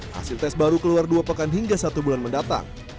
hasil tes baru keluar dua pekan hingga satu bulan mendatang